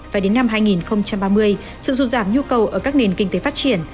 và đến năm hai nghìn ba mươi sự sụt giảm nhu cầu ở các nền kinh tế phát triển